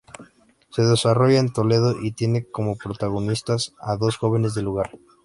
Se desarrolla en Toledo y tiene como protagonistas a dos jóvenes del lugar.